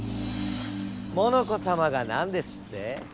モノコさまが何ですって？